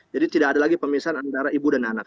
jadi tidak ada lagi pemisahan antara ibu dan anak